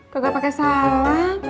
kau gak pake salam